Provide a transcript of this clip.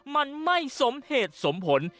มันไม่สมเหตุสมผล